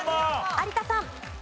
有田さん。